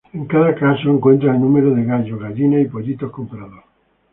En cada caso, encuentra el número de gallos, gallinas y pollitos comprados.